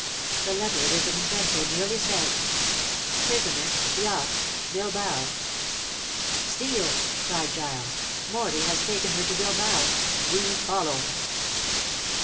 The letter, written in pencil, merely said, "Prisoner yacht Bilbao." "Steel," cried Giles, "Morley has taken her to Bilbao! We follow."